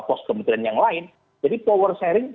pos kementerian yang lain jadi power sharing